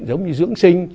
giống như dưỡng sinh